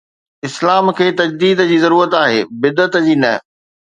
اسلام کي تجديد جي ضرورت آهي، بدعت جي نه.